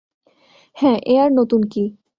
হ্যাঁ এ আর নতুন কি।